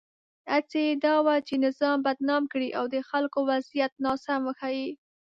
هڅه یې دا وه چې نظام بدنام کړي او د خلکو وضعیت ناسم وښيي.